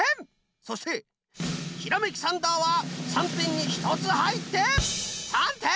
そしてひらめきサンダーは３てんに１つはいって３てん！